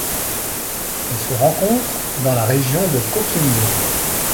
Elle se rencontre dans la région de Coquimbo.